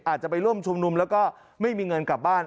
อาจจะไปร่วมชุมนุมแล้วก็ไม่มีเงินกลับบ้าน